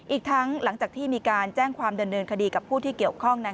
อีกทั้งหลังจากที่มีการแจ้งความดำเนินคดีกับผู้ที่เกี่ยวข้อง